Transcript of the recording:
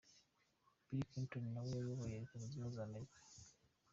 Bill Clinton nawe wayoboye Leta Zunze Ubumwe za Amerika.